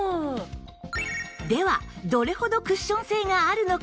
ではどれほどクッション性があるのか？